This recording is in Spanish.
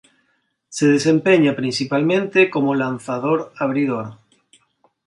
Se desempeña principalmente como lanzador abridor.